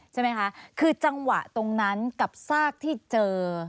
ใช่ไหมคะคือจังหวะตรงนั้นกับซากที่เจอ